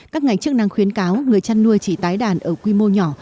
các ngành chức năng khuyến cáo người chăn nuôi chỉ tái đàn ở quy mô nhỏ